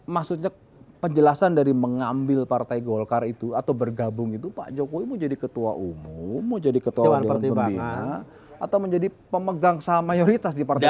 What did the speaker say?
maksudnya penjelasan dari mengambil partai golkar itu atau bergabung itu pak jokowi mau jadi ketua umum mau jadi ketua dewan pertimbangan atau menjadi pemegang saham mayoritas di partai demokrat